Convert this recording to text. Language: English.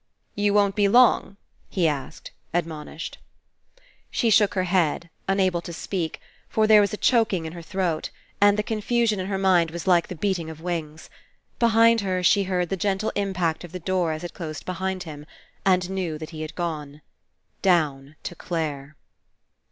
"You won't be long?" he asked, admonished. She shook her head, unable to speak, for there was a choking in her throat, and the confusion in her mind was like the beating of wings. Behind her she heard the gentle Impact of the door as it closed behind him, and knew that he had gone. Down to Clare.